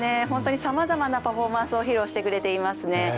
本当に様々なパフォーマンスを披露してくれています